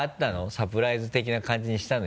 サプライズ的な感じにしたの？